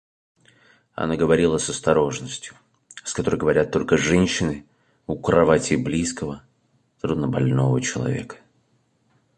Она говорила с осторожностью, с которой говорят только женщины у кровати близкого труднобольного человека...